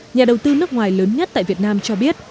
nhà đầu tư nước ngoài lớn nhất tại việt nam cho biết